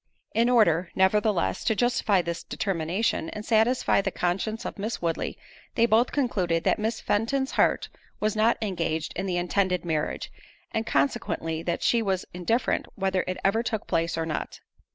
In order, nevertheless, to justify this determination, and satisfy the conscience of Miss Woodley, they both concluded that Miss Fenton's heart was not engaged in the intended marriage, and consequently that she was indifferent whether it ever took place or not.